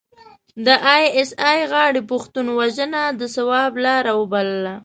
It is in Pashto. د ای اس ای غاړې پښتون وژنه د ثواب لاره وبلله.